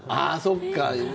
そっか。